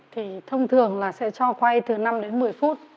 thì thông thường là sẽ cho quay từ năm đến một mươi phút